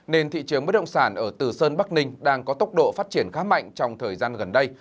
nên thị trường bất động sản ở từ sơn bắc ninh đang có tốc độ phát triển khá mạnh trong thời gian gần đây